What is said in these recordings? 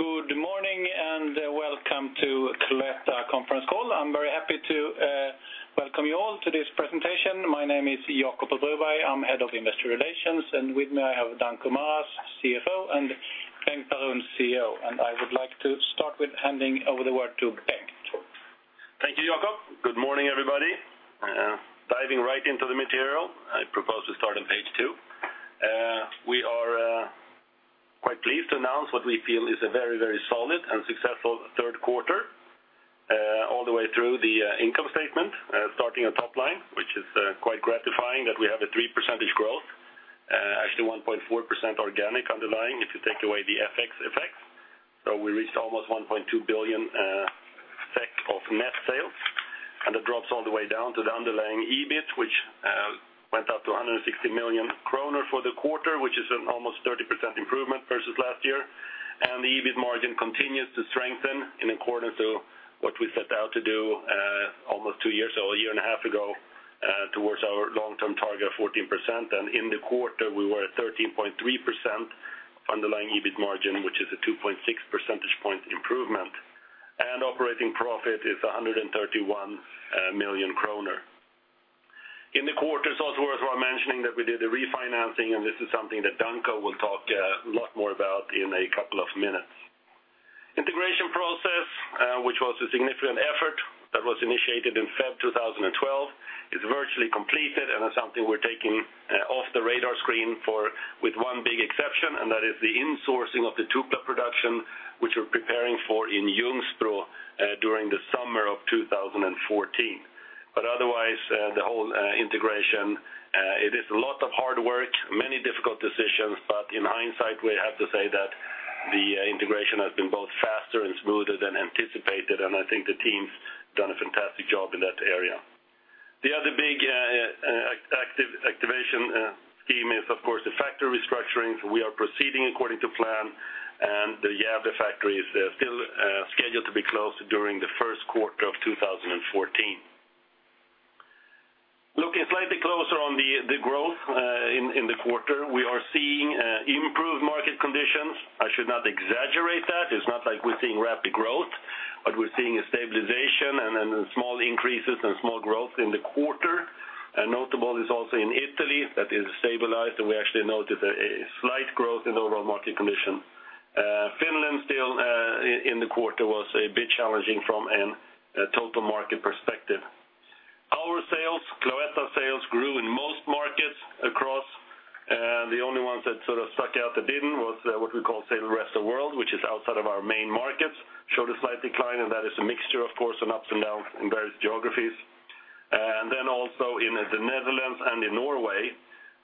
Good morning, and welcome to Cloetta conference call. I'm very happy to welcome you all to this presentation. My name is Jacob Broberg. I'm Head of Investor Relations, and with me, I have Danko Maras, CFO, and Bengt Baron, CEO. I would like to start with handing over the word to Bengt. Thank you, Jacob. Good morning, everybody. Diving right into the material, I propose to start on page two. We are quite pleased to announce what we feel is a very, very solid and successful third quarter, all the way through the income statement, starting at top line, which is quite gratifying that we have a 3% growth. Actually, 1.4% organic underlying, if you take away the FX effects. So we reached almost 1.2 billion SEK of net sales, and it drops all the way down to the underlying EBIT, which went up to 160 million kronor for the quarter, which is an almost 30% improvement versus last year. The EBIT margin continues to strengthen in accordance to what we set out to do, almost two years, or a year and a half ago, towards our long-term target of 14%. And in the quarter, we were at 13.3% underlying EBIT margin, which is a 2.6 percentage point improvement. And operating profit is 131 million kronor. In the quarter, it's also worth mentioning that we did a refinancing, and this is something that Danko will talk a lot more about in a couple of minutes. Integration process, which was a significant effort that was initiated in February 2012, is virtually completed, and it's something we're taking off the radar screen for with one big exception, and that is the insourcing of the Tupla production, which we're preparing for in Ljungsbro during the summer of 2014. But otherwise, the whole integration it is a lot of hard work, many difficult decisions, but in hindsight, we have to say that the integration has been both faster and smoother than anticipated, and I think the team's done a fantastic job in that area. The other big active activation theme is, of course, the factory restructuring. We are proceeding according to plan, and the Gävle factory is still scheduled to be closed during the first quarter of 2014. Looking slightly closer on the growth in the quarter, we are seeing improved market conditions. I should not exaggerate that. It's not like we're seeing rapid growth, but we're seeing a stabilization and then small increases and small growth in the quarter. And notable is also in Italy, that is stabilized, and we actually noticed a slight growth in the overall market condition. Finland still in the quarter was a bit challenging from a total market perspective. Our sales, Cloetta sales, grew in most markets across the only ones that sort of stuck out that didn't was what we call sales rest of world, which is outside of our main markets, showed a slight decline, and that is a mixture, of course, on ups and downs in various geographies. And then also in the Netherlands and in Norway,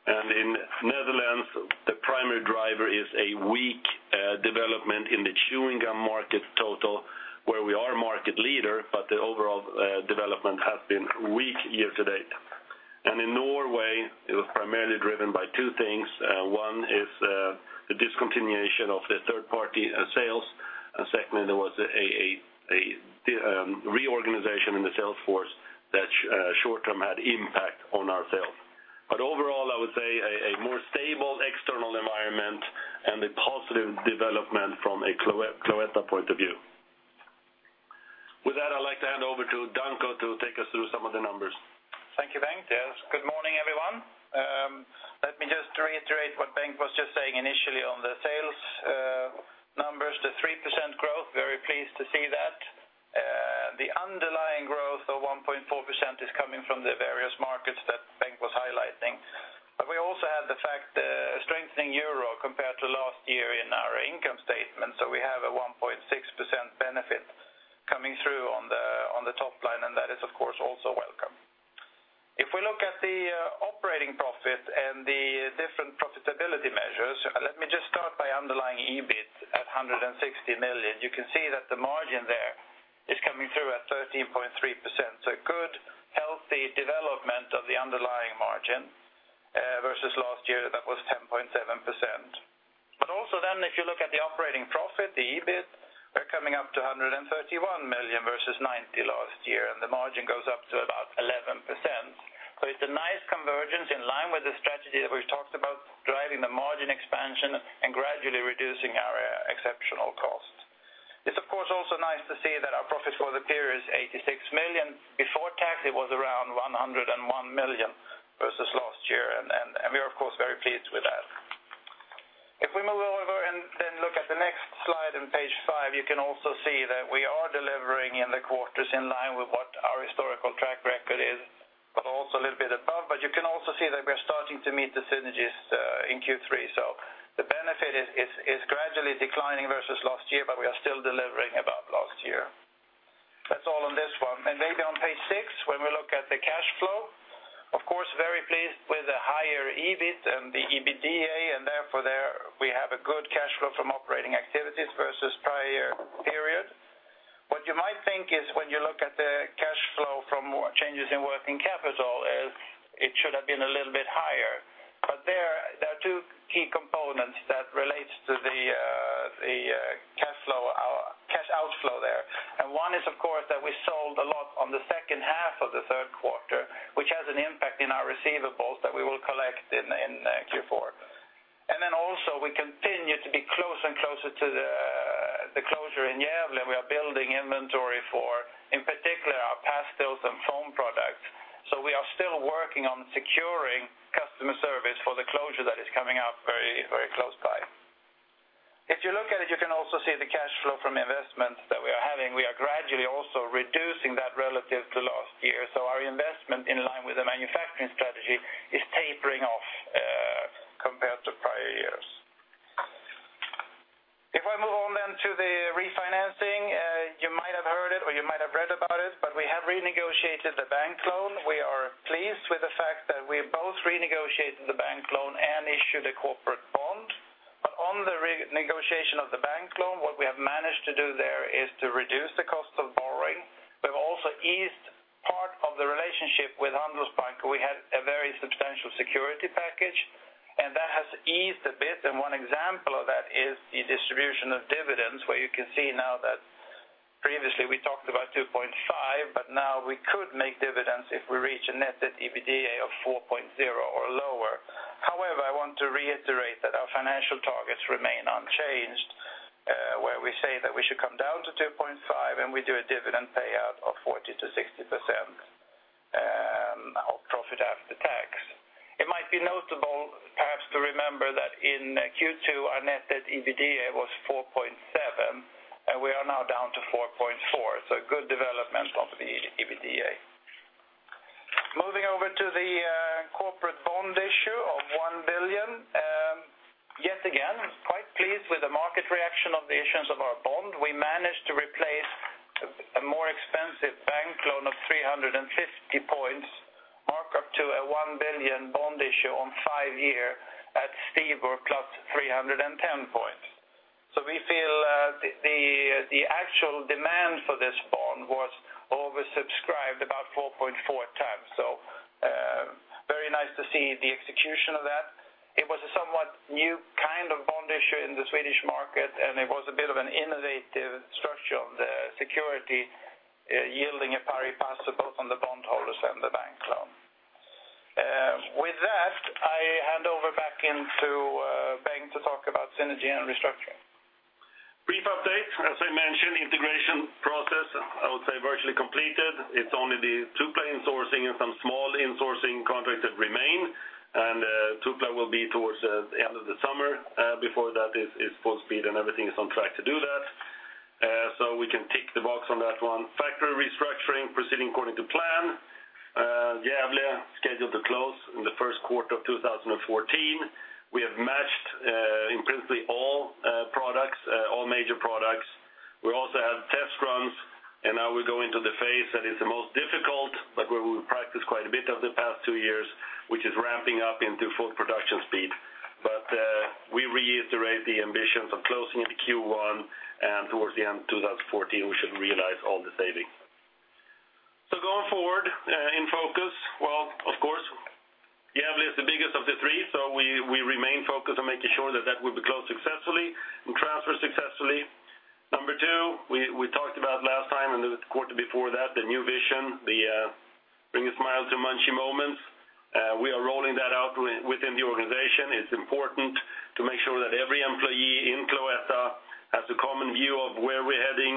and in Netherlands, the primary driver is a weak development in the chewing gum market total, where we are market leader, but the overall development has been weak year to date. And in Norway, it was primarily driven by two things. One is the discontinuation of the third-party sales. And secondly, there was a reorganization in the sales force that short-term had impact on our sales. But overall, I would say a more stable external environment and a positive development from a Cloetta point of view. With that, I'd like to hand over to Danko to take us through some of the numbers. Thank you, Bengt. Yes, good morning, everyone. Let me just reiterate what Bengt was just saying initially on the sales numbers, the 3% growth, very pleased to see that. The underlying growth of 1.4% is coming from the various markets that Bengt was highlighting. But we also had the fact, strengthening euro compared to last year in our income statement, so we have a 1.6% benefit coming through on the, on the top line, and that is, of course, also welcome. If we look at the operating profit and the different profitability measures, let me just start by underlying EBIT at 160 million. You can see that the margin there is coming through at 13.3%. So a good, healthy development of the underlying margin versus last year, that was 10.7%. But also then, if you look at the operating profit, the EBIT, we're coming up to 131 million versus 90 million last year, and the margin goes up to about 11%. So it's a nice convergence in line with the strategy that we've talked about, driving the margin expansion and gradually reducing our exceptional costs. It's, of course, also nice to see that our profits for the period is 86 million. Before tax, it was around 101 million versus last year, and, and, and we are, of course, very pleased with that. If we move over and then look at the next slide on page five, you can also see that we are delivering in the quarters in line with what our historical track record is, but also a little bit above. But you can also see that we are starting to meet the synergies in Q3. So the benefit is gradually declining versus last year, but we are still delivering above last year. That's all on this one. And then on page six, when we look at the cash flow, of course, very pleased with the higher EBIT and the EBITDA, and therefore, there we have a good cash flow from operating activities versus prior period. What you might think is when you look at the cash flow from changes in working capital is it should have been a little bit higher. But there are two key components that relates to the cash flow outflow there. And one is, of course, that we sold a lot on the second half of the third quarter, which has an impact in our receivables that we will collect in Q4. And then also, we continue to be closer and closer to the closure in Gävle, we are building inventory for, in particular, our past sales and phone products. So we are still working on securing customer service for the closure that is coming up very, very close by. If you look at it, you can also see the cash flow from investments that we are having. We are gradually also reducing that relative to last year. So our investment in line with the manufacturing strategy is tapering off compared to prior years. If I move on then to the refinancing, you might have heard it, or you might have read about it, but we have renegotiated the bank loan. We are pleased with the fact that we both renegotiated the bank loan and issued a corporate bond. But on the renegotiation of the bank loan, what we have managed to do there is to reduce the cost of borrowing. We've also eased part of the relationship with Handelsbanken. We had a very substantial security package, and that has eased a bit, and one example of that is the distribution of dividends, where you can see now that previously we talked about 2.5, but now we could make dividends if we reach a net debt/EBITDA of 4.0 or lower. However, I want to reiterate that our financial targets remain unchanged, where we say that we should come down to 2.5, and we do a dividend payout of 40%-60% of profit after tax. It might be notable, perhaps, to remember that in Q2, our net debt EBITDA was 4.7, and we are now down to 4.4, so good development of the EBITDA. Moving over to the corporate bond issue of 1 billion, yet again, quite pleased with the market reaction of the issuance of our bond. We managed to replace a more expensive bank loan of 350 points mark up to a 1 billion bond issue on 5-year at STIBOR plus 310 points. So we feel the actual demand for this bond was oversubscribed about 4.4 times. So very nice to see the execution of that. It was a somewhat new kind of bond issue in the Swedish market, and it was a bit of an innovative structure of the security, yielding a pari passu, both on the bondholders and the bank loan. With that, I hand over back into Bengt to talk about synergy and restructuring. Brief update. As I mentioned, integration process, I would say, virtually completed. It's only the Tupla insourcing and some small insourcing contracts that remain, and Tupla will be towards the end of the summer before that is full speed, and everything is on track to do that. So we can tick the box on that one. Factory restructuring proceeding according to plan. Gävle, scheduled to close in the first quarter of 2014. We have matched in principally all products all major products. We also have test runs, and now we go into the phase that is the most difficult, but where we practice quite a bit of the past two years, which is ramping up into full production speed. We reiterate the ambitions of closing in the Q1, and towards the end of 2014, we should realize all the savings. Going forward, in focus, well, of course, Gävle is the biggest of the three, so we remain focused on making sure that that will be closed successfully and transferred successfully. Number two, we talked about last time, and the quarter before that, the new vision, the bring a smile to munchie moments. We are rolling that out within the organization. It's important to make sure that every employee in Cloetta has a common view of where we're heading,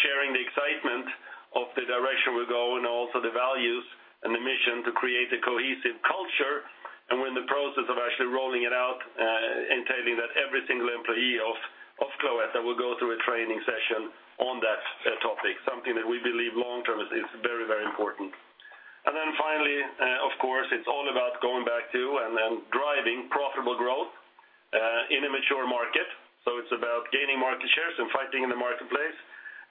sharing the excitement of the direction we go, and also the values and the mission to create a cohesive culture. We're in the process of actually rolling it out, entailing that every single employee of Cloetta will go through a training session on that topic, something that we believe long-term is very, very important. Then finally, of course, it's all about going back to and then driving profitable growth in a mature market. So it's about gaining market shares and fighting in the marketplace,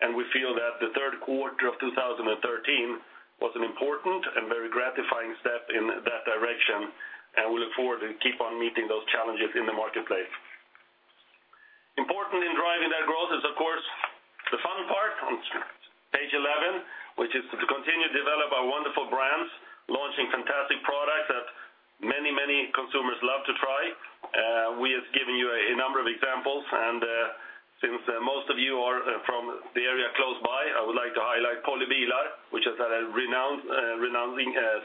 and we feel that the third quarter of 2013 was an important and very gratifying step in that direction, and we look forward to keep on meeting those challenges in the marketplace. Important in driving that growth is, of course, the fun part on page 11, which is to continue to develop our wonderful brands, launching fantastic products that many, many consumers love to try. We have given you a number of examples, and since most of you are from the area close by, I would like to highlight Polly bilar, which has had a renowned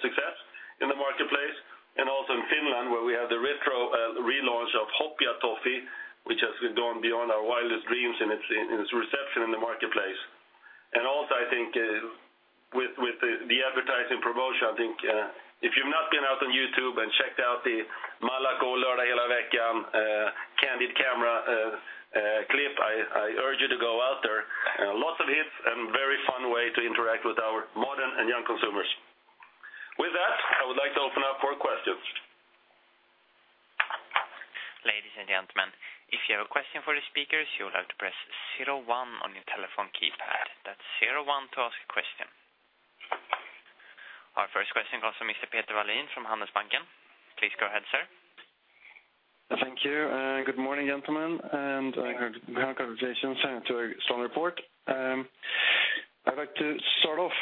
success in the marketplace, and also in Finland, where we have the retro relaunch of Hopea Toffee, which has gone beyond our wildest dreams in its reception in the marketplace. And also, I think, with the advertising promotion, I think, if you've not been out on YouTube and checked out the Malaco Lördag hela veckan Candid Camera clip, I urge you to go out there. Lots of hits and very fun way to interact with our modern and young consumers. With that, I would like to open up for questions. Ladies and gentlemen, if you have a question for the speakers, you'll have to press zero one on your telephone keypad. That's zero one to ask a question. Our first question comes from Mr. Peter Wallin, from Handelsbanken. Please go ahead, sir. Thank you, and good morning, gentlemen, and congratulations to a strong report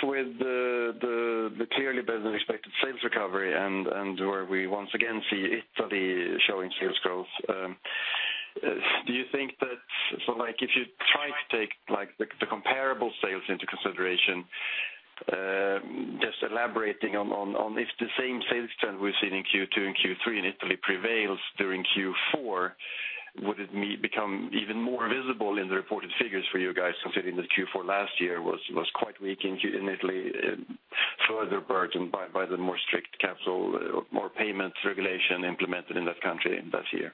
with the clearly better than expected sales recovery and where we once again see Italy showing sales growth. Do you think that so, like, if you try to take the comparable sales into consideration, just elaborating on if the same sales trend we've seen in Q2 and Q3 in Italy prevails during Q4, would it become even more visible in the reported figures for you guys, considering that Q4 last year was quite weak in Italy, further burdened by the more strict capital, more payments regulation implemented in that country that year?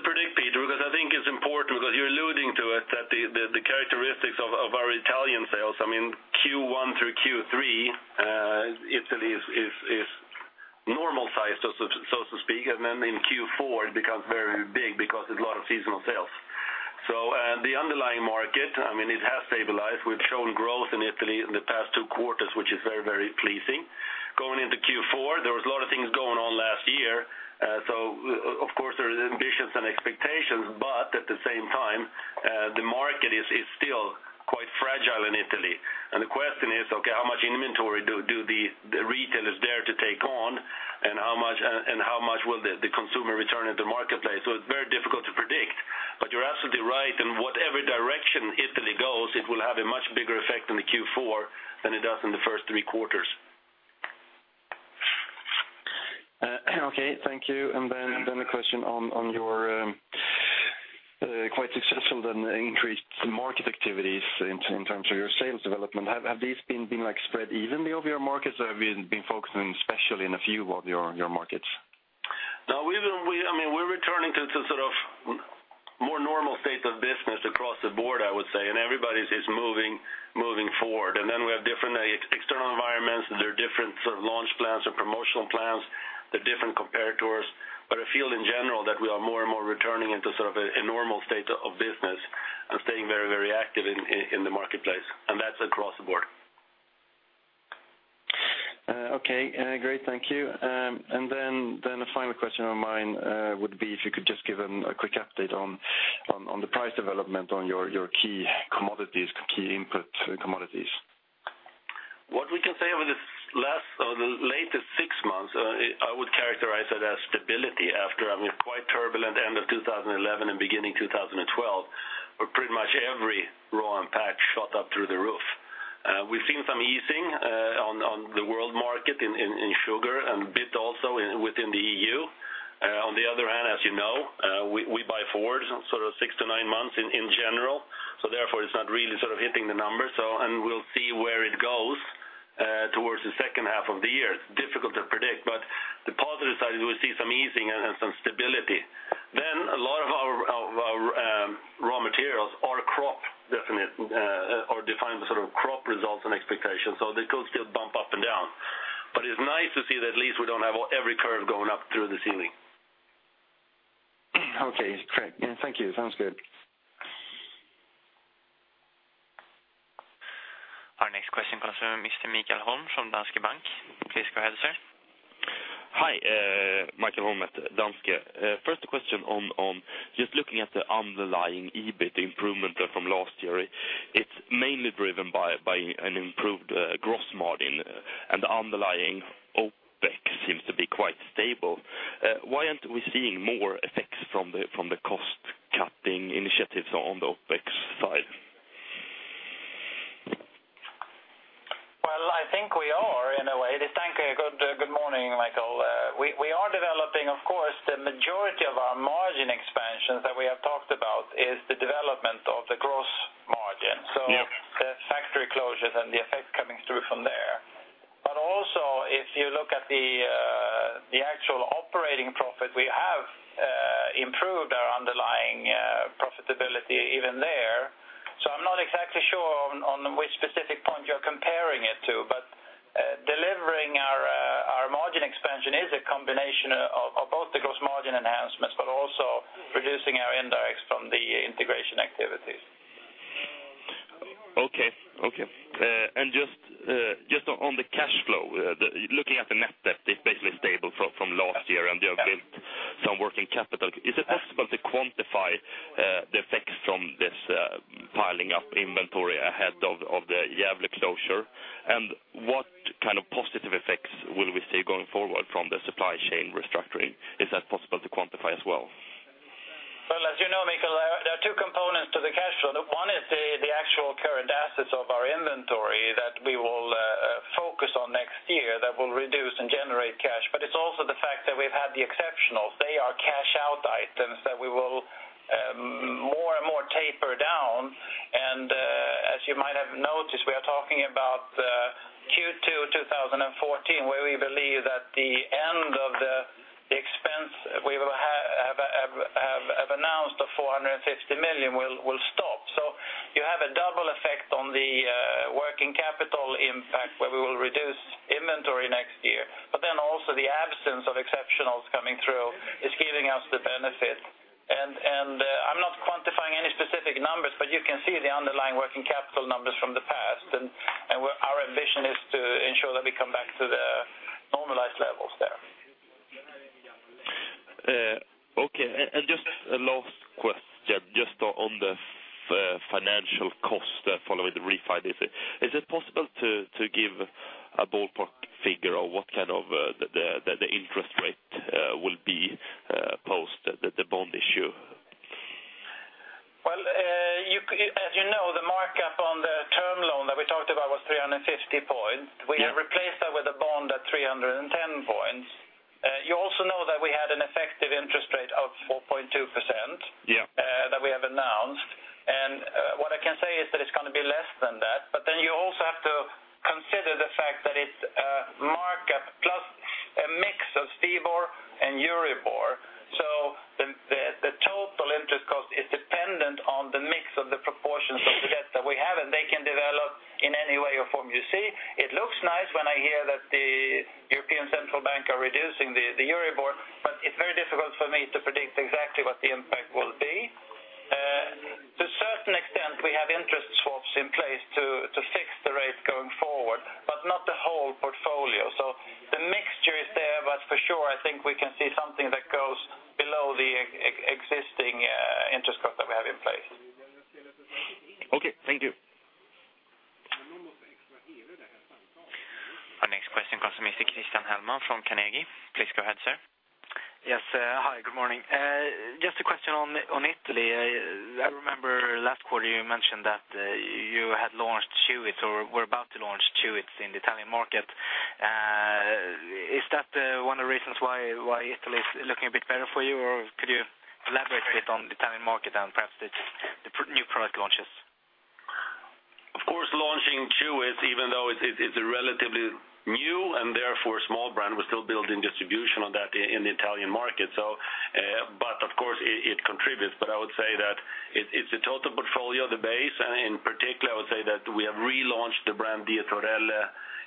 Well, it's difficult to predict, Peter, because I think it's important, because you're alluding to it, that the characteristics of our Italian sales, I mean, Q1 through Q3, Italy is normalized, so to speak, and then in Q4 it becomes very big because there's a lot of seasonal sales. So, the underlying market, I mean, it has stabilized. We've shown growth in Italy in the past two quarters, which is very, very pleasing. Going into Q4, there was a lot of things going on last year, so of course, there is ambitions and expectations, but at the same time, the market is still quite fragile in Italy. And the question is, okay, how much inventory do the retailers there to take on? And how much will the consumer return at the marketplace? It's very difficult to predict, but you're absolutely right. In whatever direction Italy goes, it will have a much bigger effect on the Q4 than it does in the first three quarters. Okay, thank you. And then the question on your quite successful then increased market activities in terms of your sales development. Have these been like spread evenly over your markets or have you been focusing especially in a few of your markets? No, we've been, I mean, we're returning to sort of more normal state of business across the board, I would say, and everybody is moving forward. And then we have different external environments, and there are different sort of launch plans or promotional plans, the different comparators. But I feel in general that we are more and more returning into sort of a normal state of business and staying very, very active in the marketplace, and that's across the board. Okay. Great, thank you. And then a final question of mine would be if you could just give a quick update on the price development on your key commodities, key input commodities. What we can say over this last or the latest six months, I would characterize it as stability after, I mean, a quite turbulent end of 2011 and beginning 2012, where pretty much every raw impact shot up through the roof. We've seen some easing on the world market in sugar and a bit also within the EU. On the other hand, as you know, we buy forward sort of six to nine months in general, so therefore it's not really sort of hitting the numbers. So and we'll see where it goes towards the second half of the year. It's difficult to predict, but the positive side is we see some easing and some stability. Then a lot of our raw materials are crop definite or defined by sort of crop results and expectations, so they could still bump up and down. But it's nice to see that at least we don't have every curve going up through the ceiling. Okay, great. Yeah, thank you. Sounds good. Our next question comes from Mr. Mikael Holm from Danske Bank. Please go ahead, sir. Hi, Mikael Holm at Danske. First a question on just looking at the underlying EBIT improvement from last year. It's mainly driven by an improved gross margin, and underlying OpEx seems to be quite stable. Why aren't we seeing more effects from the cost-cutting initiatives on the OpEx side? Well, I think we are in a way. Thank you. Good morning, Mikael. We are developing, of course, the majority of our margin expansions that we have talked about is the development of the gross margin. Yep. So the factory closures and the effect coming through from there. But also, if you look at the actual operating profit, we have improved our underlying profitability even there. So I'm not exactly sure on which specific point you're comparing it to, but delivering our margin expansion is a combination of both the gross margin enhancements, but also reducing our indirect from the integration activities. Okay. Okay. And just, just on the cash flow, looking at the net debt, it's basically stable from last year, and there have been some working capital. Is it possible to quantify the effects from this piling up inventory ahead of the Gävle closure? And what kind of positive effects will we see going forward from the supply chain restructuring? Is that possible to quantify as well? Well, as you know, Mikael, there are two components to the cash flow. One is the actual current assets of our inventory that we will focus on next year, that will reduce and generate cash. But it's also the fact that we've had the exceptionals. They are cash out items that we will more and more taper down. And as you might have noticed, we are talking about Q2 2014, where we believe that the end of the expense we have announced 450 million will stop. So you have a double effect on the working capital impact, where we will reduce inventory next year, but then also the absence of exceptionals coming through is giving us the benefit. I'm not quantifying any specific numbers, but you can see the underlying working capital numbers from the past, and where our ambition is to ensure that we come back to the normalized levels.... Okay, and just a last question, just on the financial cost following the refi. Is it possible to give a ballpark figure of what kind of the interest rate will be post the bond issue? Well, as you know, the markup on the term loan that we talked about was 350 points. Yeah. We have replaced that with a bond at 310 points. You also know that we had an effective interest rate of 4.2%. Yeah. That we have announced. And what I can say is that it's gonna be less than that, but then you also have to consider the fact that it's markup plus a mix of STIBOR and EURIBOR. So the total interest cost is dependent on the mix of the proportions of the debt that we have, and they can develop in any way or form. You see, it looks nice when I hear that the European Central Bank are reducing the EURIBOR, but it's very difficult for me to predict exactly what the impact will be. To a certain extent, we have interest swaps in place to fix the rate going forward, but not the whole portfolio. So the mixture is there, but for sure, I think we can see something that goes below the existing interest cost that we have in place. Okay, thank you. Our next question comes from Christian Hellman, from Carnegie. Please go ahead, sir. Yes. Hi, good morning. Just a question on Italy. I remember last quarter you mentioned that you had launched Chewits, or were about to launch Chewits in the Italian market. Is that one of the reasons why Italy is looking a bit better for you? Or could you elaborate a bit on the Italian market and perhaps the new product launches? Of course, launching Chewits, even though it's relatively new, and therefore a small brand, we're still building distribution on that in the Italian market. So, but of course it contributes. But I would say that it's the total portfolio, the base. In particular, I would say that we have relaunched the brand Dietorelle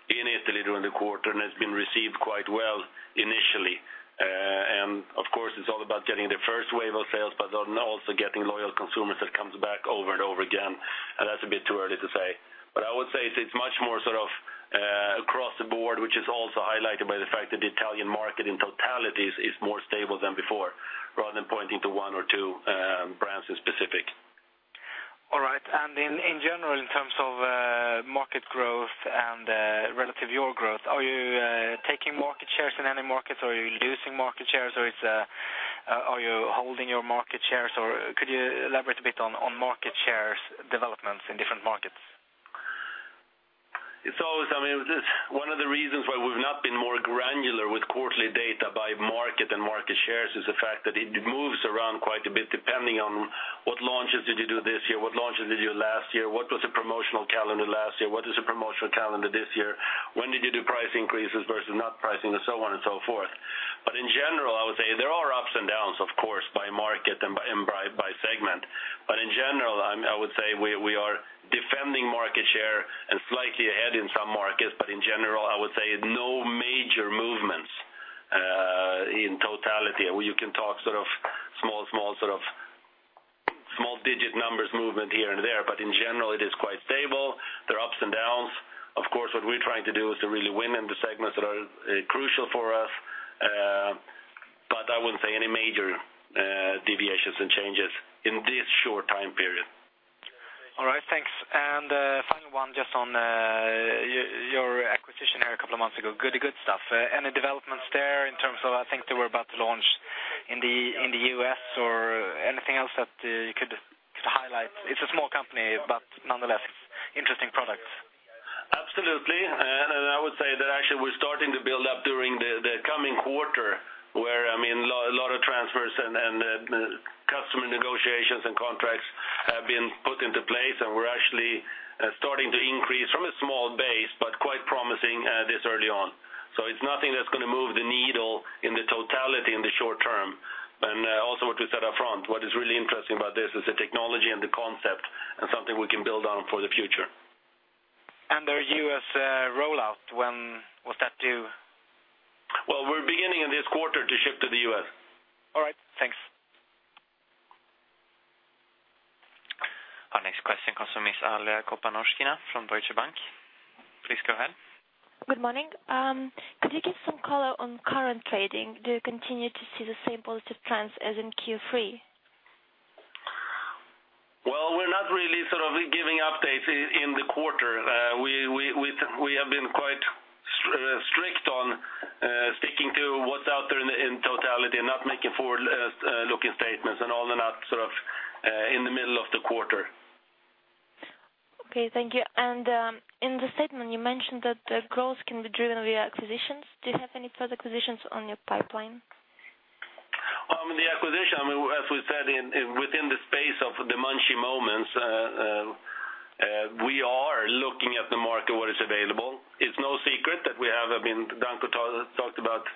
in Italy during the quarter, and it's been received quite well initially. And of course, it's all about getting the first wave of sales, but then also getting loyal consumers that comes back over and over again, and that's a bit too early to say. But I would say it's much more sort of across the board, which is also highlighted by the fact that the Italian market in totality is more stable than before, rather than pointing to one or two brands in specific. All right. And in general, in terms of market growth and relative your growth, are you taking market shares in any markets, or are you losing market shares, or are you holding your market shares, or could you elaborate a bit on market shares developments in different markets? It's always, I mean, this - one of the reasons why we've not been more granular with quarterly data by market and market shares, is the fact that it moves around quite a bit, depending on what launches did you do this year, what launches did you do last year? What was the promotional calendar last year? What is the promotional calendar this year? When did you do price increases versus not pricing, and so on and so forth. But in general, I would say there are ups and downs, of course, by market and by segment. But in general, I would say we are defending market share and slightly ahead in some markets, but in general, I would say no major movements in totality. You can talk sort of small, small, sort of small digit numbers movement here and there, but in general it is quite stable. There are ups and downs. Of course, what we're trying to do is to really win in the segments that are crucial for us, but I wouldn't say any major deviations and changes in this short time period. All right, thanks. And final one, just on your acquisition here a couple of months ago, Goody Good Stuff. Any developments there in terms of... I think they were about to launch in the U.S. or anything else that you could just highlight? It's a small company, but nonetheless, interesting products. Absolutely. And I would say that actually we're starting to build up during the coming quarter, where I mean a lot of transfers and customer negotiations and contracts have been put into place, and we're actually starting to increase from a small base, but quite promising this early on. So it's nothing that's gonna move the needle in the totality, in the short term. Also what we said up front, what is really interesting about this is the technology and the concept, and something we can build on for the future. The U.S. rollout, when was that due? Well, we're beginning in this quarter to ship to the U.S. All right, thanks. Our next question comes from Miss Alina Kapran from Deutsche Bank. Please go ahead. Good morning. Could you give some color on current trading? Do you continue to see the same positive trends as in Q3? Well, we're not really sort of giving updates in the quarter. We have been quite strict on sticking to what's out there in totality, and not making forward-looking statements, and all that, sort of, in the middle of the quarter. Okay, thank you. And, in the statement, you mentioned that the growth can be driven via acquisitions. Do you have any further acquisitions on your pipeline? The acquisition, I mean, as we said, in within the space of the munchy moments, we are looking at the market, what is available. It's no secret that we have, I mean, Danko talked about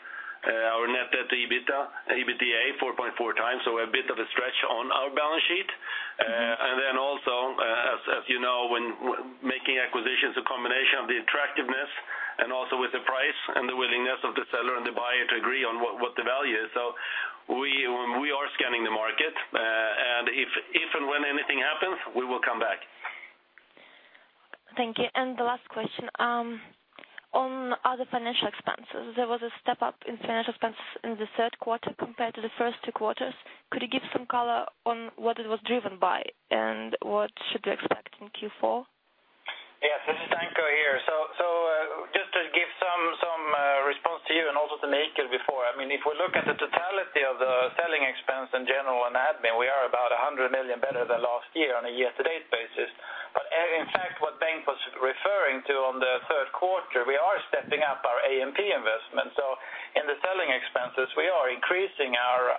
our net debt to EBITDA 4.4 times, so a bit of a stretch on our balance sheet. And then also, as you know, when making acquisitions, a combination of the attractiveness and also with the price and the willingness of the seller and the buyer to agree on what the value is. So we are sort of- ...Thank you. And the last question, on other financial expenses, there was a step up in financial expenses in the third quarter compared to the first two quarters. Could you give some color on what it was driven by, and what should we expect in Q4? Yes, this is Danko here. So just to give some response to you and also to Mikael before. I mean, if we look at the totality of the selling expense in general and admin, we are about 100 million better than last year on a year-to-date basis. But in fact, what Bengt was referring to on the third quarter, we are stepping up our A&P investment. So in the selling expenses, we are increasing our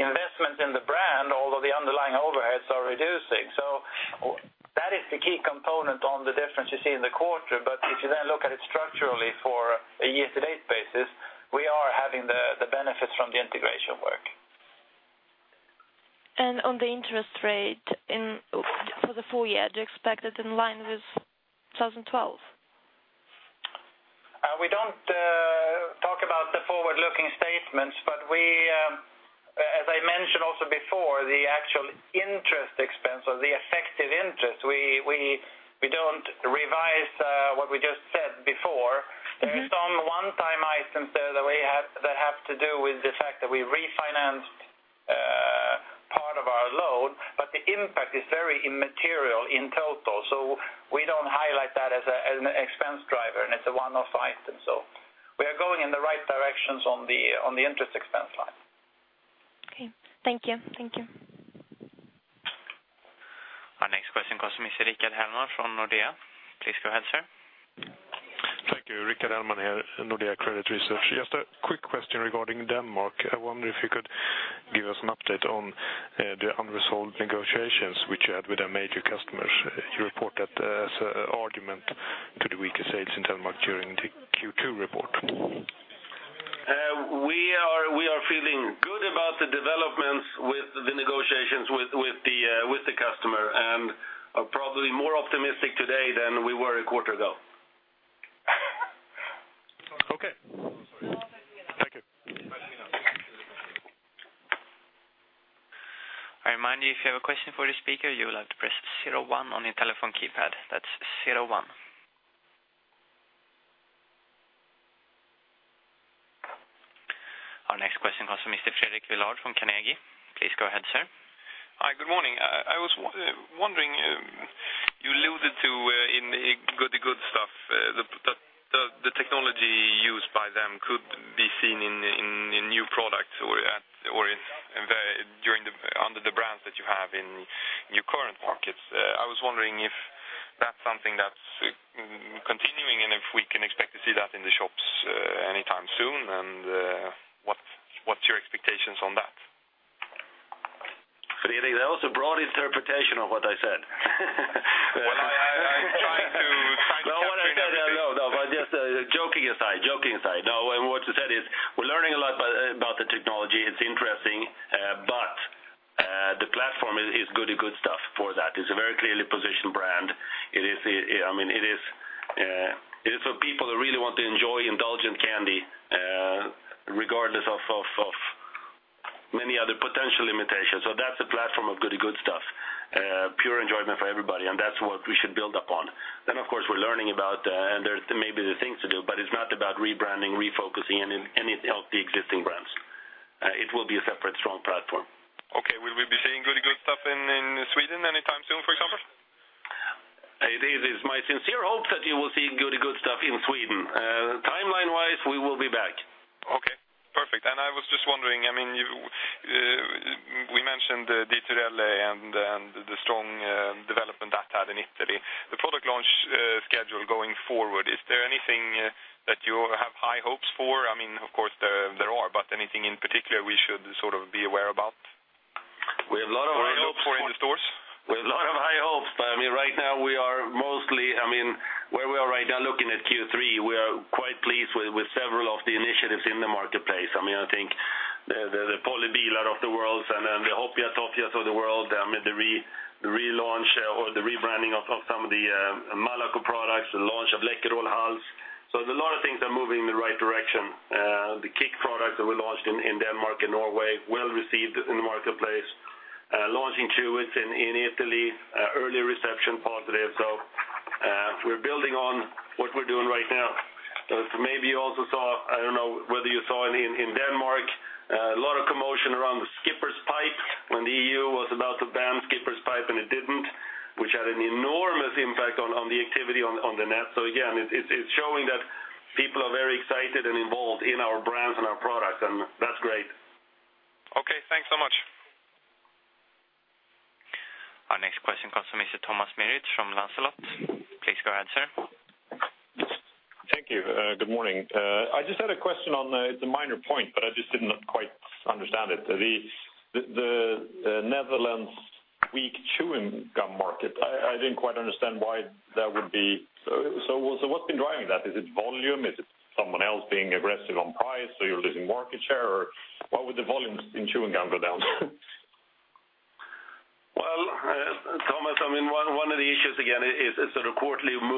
investment in the brand, although the underlying overheads are reducing. So that is the key component on the difference you see in the quarter. But if you then look at it structurally for a year-to-date basis, we are having the benefits from the integration work. On the interest rate in, for the full year, do you expect it in line with 2012? We don't talk about the forward-looking statements, but we, as I mentioned also before, the actual interest expense or the effective interest, we don't revise what we just said before. Mm-hmm. There are some one-time items there that we have that have to do with the fact that we refinanced part of our loan, but the impact is very immaterial in total. So we don't highlight that as an expense driver, and it's a one-off item. So we are going in the right directions on the interest expense line. Okay. Thank you. Thank you. Our next question comes from Mr. Rickard Hellman from Nordea. Please go ahead, sir. Thank you. Rickard Hellman here, Nordea Credit Research. Just a quick question regarding Denmark. I wonder if you could give us an update on the unresolved negotiations which you had with the major customers. You reported as an argument to the weaker sales in Denmark during the Q2 report. We are feeling good about the developments with the negotiations with the customer, and are probably more optimistic today than we were a quarter ago. Okay. Thank you. I remind you, if you have a question for the speaker, you will have to press zero one on your telephone keypad. That's zero one. Our next question comes from Mr. Fredrik Villard from Carnegie. Please go ahead, sir. Hi, good morning. I was wondering, you alluded to, in, in, Goody Good Stuff, the, the, the technology used by them could be seen in, in, in new products or at, or in, during the... under the brands that you have in your current markets. I was wondering if that's something that's continuing, and if we can expect to see that in the shops, anytime soon, and, what, what's your expectations on that? Fredrik, that was a broad interpretation of what I said. Well, I tried to- No, what I said, no, but just, joking aside, joking aside. No, and what you said is we're learning a lot about, about the technology. It's interesting, but, the platform is, is Goody Good Stuff for that. It's a very clearly positioned brand. It is, I mean, it is, it is for people who really want to enjoy indulgent candy, regardless of, of, of many other potential limitations. So that's the platform of Goody Good Stuff, pure enjoyment for everybody, and that's what we should build upon. Then, of course, we're learning about, and there's maybe the things to do, but it's not about rebranding, refocusing, any, any of the existing brands. It will be a separate, strong platform. Okay. Will we be seeing Goody Good Stuff in Sweden anytime soon, for example? It is my sincere hope that you will see Goody Good Stuff in Sweden. Timeline-wise, we will be back. Okay, perfect. And I was just wondering, I mean, you, we mentioned the Dietorelle and, and the strong development that had in Italy. The product launch schedule going forward, is there anything that you have high hopes for? I mean, of course, there are, but anything in particular we should sort of be aware about? We have a lot of high hopes- Or in the stores? We have a lot of high hopes. But I mean, right now, we are mostly... I mean, where we are right now, looking at Q3, we are quite pleased with several of the initiatives in the marketplace. I mean, I think the Polly bilar of the world and then the Hopea Toffee of the world, I mean, the relaunch or the rebranding of some of the Malaco products, the launch of Läkerol Hals. So there's a lot of things are moving in the right direction. The Kick products that we launched in Denmark and Norway, well received in the marketplace. Launching Chewits in Italy, early reception, positive. So, we're building on what we're doing right now. So maybe you also saw, I don't know whether you saw it in, in Denmark, a lot of commotion around the Skipper's Pipe when the EU was about to ban Skipper's Pipe and it didn't, which had an enormous impact on, on the activity on, on the net. So again, it's, it's showing that people are very excited and involved in our brands and our products, and that's great. Okay, thanks so much. Our next question comes from Mr. Thomas Merritt from Lancelot. Please go ahead, sir. Thank you, good morning. I just had a question on the... it's a minor point, but I just did not quite understand it. The Netherlands weak chewing gum market, I didn't quite understand why that would be. So what's been driving that? Is it volume? Is it someone else being aggressive on price, so you're losing market share, or why would the volumes in chewing gum go down? Well, Thomas, I mean, one of the issues, again, is the quarterly market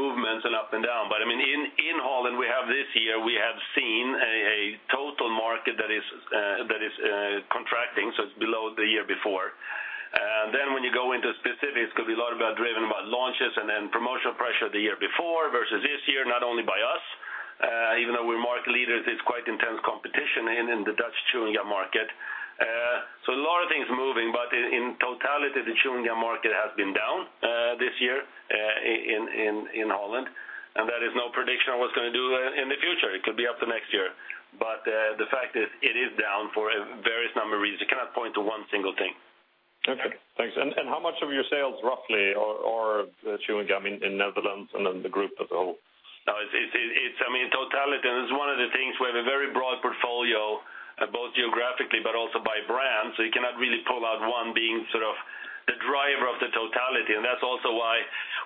before. Then when you go into specifics, could be a lot about driven about launches and then promotional pressure the year before versus this year, not only by us, even though we're market leaders, it's quite intense competition in the Dutch chewing gum market. So a lot of things moving, but in totality, the chewing gum market has been down this year in Holland, and that is no prediction on what's gonna do in the future. It could be up to next year. But the fact is, it is down for a various number of reasons. You cannot point to one single thing. Okay, thanks. And how much of your sales roughly are chewing gum in Netherlands and then the group as a whole? I mean, totality, this is one of the things we have a very broad portfolio, both geographically but also by brand, so you cannot really pull out one being sort of the driver of the totality. That's also why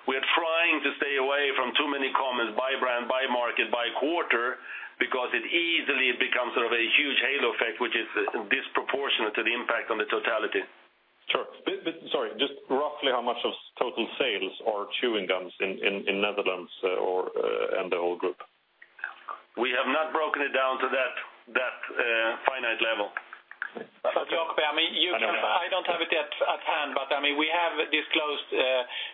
we're trying to stay away from too many comments by brand, by market, by quarter, because it easily becomes sort of a huge halo effect, which is disproportionate to the impact on the totality. Sure. But sorry, just roughly how much of total sales are chewing gums in Netherlands or and the whole group? We have not broken it down to that finite level. Jacob, I mean, you can—I don't have it yet at hand, but, I mean, we have disclosed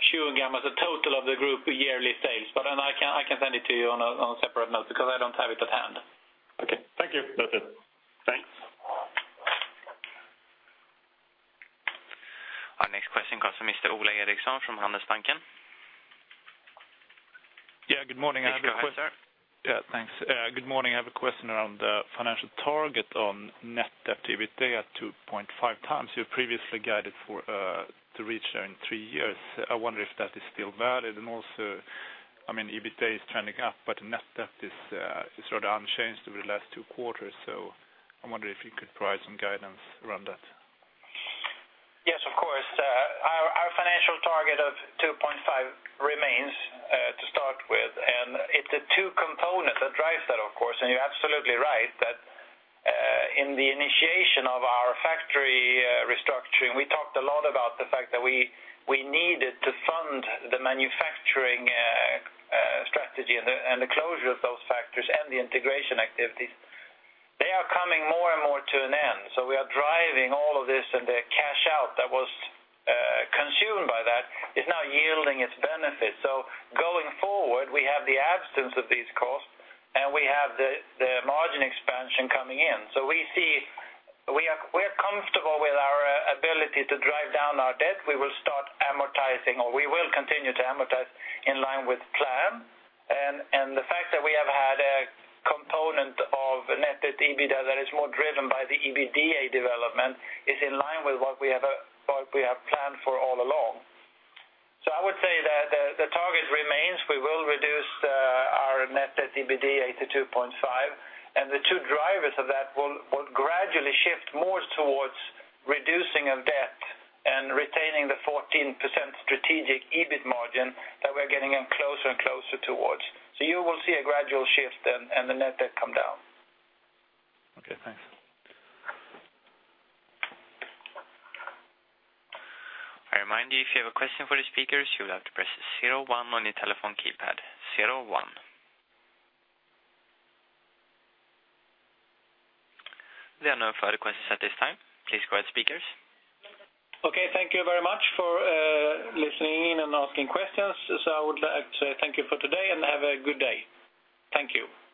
chewing gum as a total of the group yearly sales. But then I can, I can send it to you on a, on a separate note, because I don't have it at hand. Okay. Thank you. That's it. Thanks. Our next question comes from Mr. Ola Eriksson from Handelsbanken. Yeah, good morning. I have a que- Thank you, sir. Yeah, thanks. Good morning. I have a question around the financial target on net debt/EBITDA 2.5x. You previously guided for to reach there in 3 years. I wonder if that is still valid, and also, I mean, EBITDA is trending up, but net debt is sort of unchanged over the last 2 quarters. So I wonder if you could provide some guidance around that. Yes, of course. Our, our financial target of 2.5 remains, to start with, and it's the two components that drives that, of course. And you're absolutely right that, in the initiation of our factory restructuring, we talked a lot about the fact that we, we needed to fund the manufacturing strategy and the, and the closure of those factories and the integration activities. They are coming more and more to an end, so we are driving all of this, and the cash out that was consumed by that is now yielding its benefits. So going forward, we have the absence of these costs, and we have the, the margin expansion coming in. So we are, we're comfortable with our ability to drive down our debt. We will start amortizing, or we will continue to amortize in line with plan. And the fact that we have had a component of net debt EBITDA that is more driven by the EBITDA development is in line with what we have, what we have planned for all along. So I would say that the target remains. We will reduce our net debt EBITDA to 2.5, and the two drivers of that will gradually shift more towards reducing our debt and retaining the 14% strategic EBIT margin that we're getting in closer and closer towards. So you will see a gradual shift and the net debt come down. Okay, thanks. I remind you, if you have a question for the speakers, you'll have to press zero-one on your telephone keypad, zero-one. There are no further questions at this time. Please go ahead, speakers. Okay, thank you very much for listening in and asking questions. I would like to thank you for today, and have a good day. Thank you.